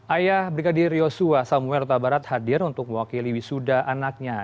ayah brigadir yosua samuel tabarat hadir untuk mewakili wisuda anaknya